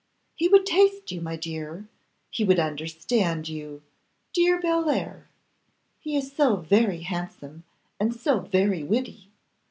'He would taste you, my dear; he would understand you. Dear Bellair! he is so very handsome, and so very witty.